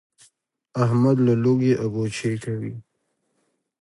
احمد له لوږې اګوچې کوي.